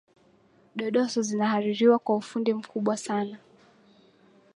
dodoso zinahaririwa kwa ufundi mkubwa sana